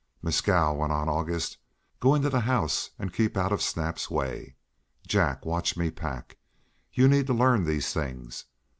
"Mescal," went on August, "go into the house, and keep out of Snap's way. Jack, watch me pack. You need to learn these things.